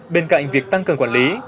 bên cạnh việc tăng cường quản lý